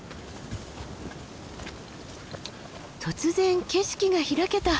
突然景色が開けた。